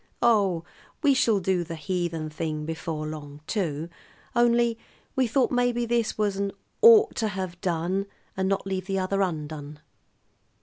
Oh, we shall do the heathen before long, too; only we thought maybe this was an 'ought to have done and not leave the other undone.'"